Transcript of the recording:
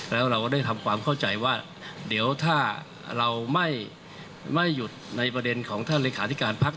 แล้วเราก็ได้ทำความเข้าใจว่าเดี๋ยวถ้าเราไม่หยุดในประเด็นของท่านเลขาธิการพัก